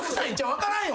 分からんよ